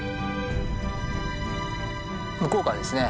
向こうからですね